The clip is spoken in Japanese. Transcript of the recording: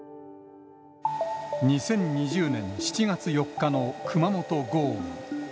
２０２０年７月４日の熊本豪雨。